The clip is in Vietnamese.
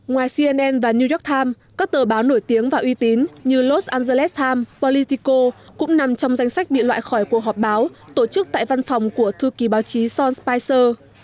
ngoài cnn và new york times các tờ báo nổi tiếng và uy tín như los angeles times politico cũng nằm trong danh sách bị loại khỏi cuộc họp báo tổ chức tại văn phòng của thư ký báo chí sons picer